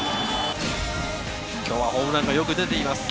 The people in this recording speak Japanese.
今日はホームランがよく出ています。